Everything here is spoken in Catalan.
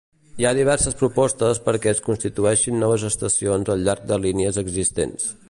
Hi ha diverses propostes perquè es construeixin noves estacions al llarg de línies existents.